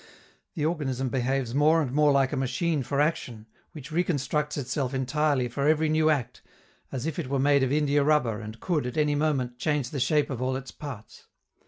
The organism behaves more and more like a machine for action, which reconstructs itself entirely for every new act, as if it were made of india rubber and could, at any moment, change the shape of all its parts.